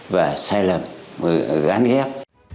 và sai lầm gắn ghép